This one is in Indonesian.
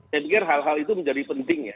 saya pikir hal hal itu menjadi penting ya